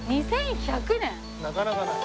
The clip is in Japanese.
なかなかない。